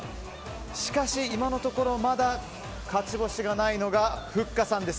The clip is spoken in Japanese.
しかし、今のところまだ勝ち星がないのがふっかさんです。